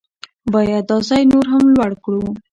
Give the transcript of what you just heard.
باید دا ځای نور هم لوړ کړو.